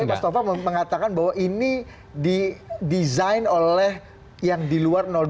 tapi mas taufa mengatakan bahwa ini di design oleh yang di luar dua